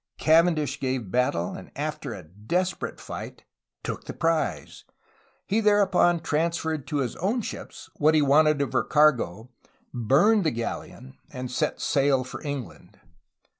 Cavendish gave battle, and after a desperate fight took the prize. He thereupon transferred to his own ships what he wanted of her cargo, burned the galleon, and set sail for England.